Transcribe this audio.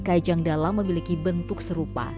kajang dalam memiliki bentuk serupa